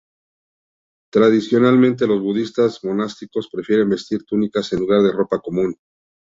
Tradicionalmente los budistas monásticos prefieren vestir túnicas en lugar de ropa común.